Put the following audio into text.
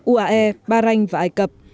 uae ba ranh và ai cập